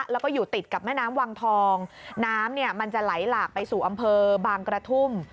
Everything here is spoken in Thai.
แล้วก็อยู่ติดกับแม่น้ำวังทองน้ำเนี่ยมันจะไหลหลากไปสู่อำเภอบางกระทุ่ม